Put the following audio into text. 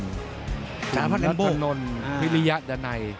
คุณรัฐนนท์พิริยะดันัย